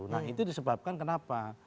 nah itu disebabkan kenapa